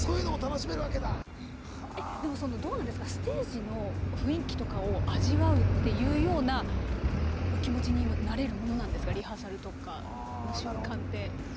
ステージの雰囲気とかを味わうっていうようなお気持ちになれるものなんですかリハーサルの瞬間って。